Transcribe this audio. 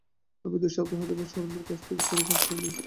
আমি দু-সপ্তাহ যাবৎ সারদানন্দের কাছ থেকে কোন খবর পাইনি।